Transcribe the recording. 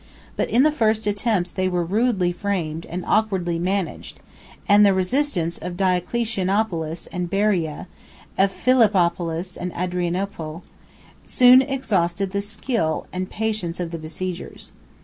30 But in the first attempts they were rudely framed, and awkwardly managed; and the resistance of Diocletianopolis and Beraea, of Philippopolis and Adrianople, soon exhausted the skill and patience of the besiegers.